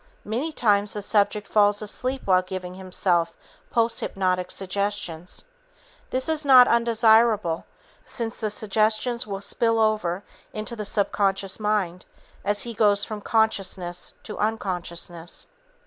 Many times the subject falls asleep while giving himself posthypnotic suggestions. This is not undesirable since the suggestions will spill over into the subconscious mind as he goes from consciousness to unconsciousness.